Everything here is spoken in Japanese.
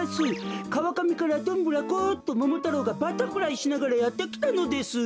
「かわかみからどんぶらこっとももたろうがバタフライしながらやってきたのです」。